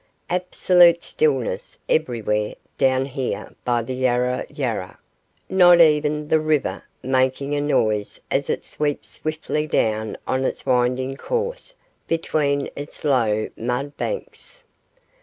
Absolute stillness everywhere down here by the Yarra Yarra, not even the river making a noise as it sweeps swiftly down on its winding course between its low mud banks.